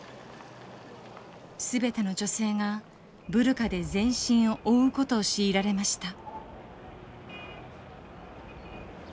全ての女性がブルカで全身を覆うことを強いられました。